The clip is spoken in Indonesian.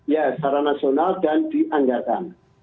ya secara nasional dan dianggarkan